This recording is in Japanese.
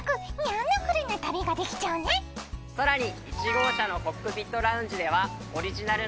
さらに。